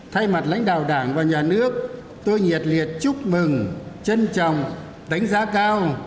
thay mặt lãnh đạo đảng và nhà nước tôi nhiệt liệt chúc mừng trân trọng đánh giá cao